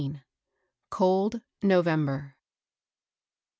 COLD NOVEMBER.